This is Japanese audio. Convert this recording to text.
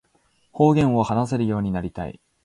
方言を話せるようになりたい